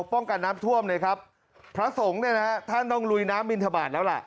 ป้องกันน้ำท่วมนะครับพระสงฆ์เนี่ยนะฮะท่านต้องลุยน้ำบินทบาทแล้วล่ะ